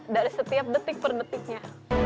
dari setiap detik per detiknya